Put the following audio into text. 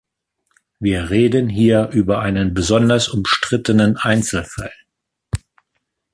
Wir reden hier über einen besonders umstrittenen Einzelfall.